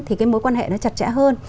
thì mối quan hệ nó chặt chẽ hơn